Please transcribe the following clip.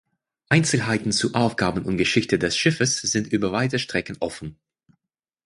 Einzelheiten zu Aufgaben und Geschichte des Schiffes sind über weite Strecken offen.